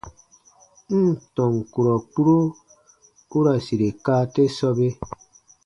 N ǹ tɔn kurɔ kpuro u ra sire kaa te sɔbe.